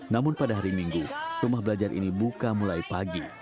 namun pada hari minggu rumah belajar ini buka mulai pagi